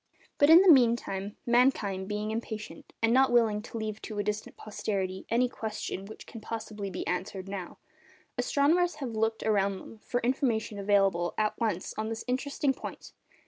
But in the meantime, mankind being impatient, and not willing to leave to a distant posterity any question which can possibly be answered now, astronomers have looked around them for information available at once on this interesting point.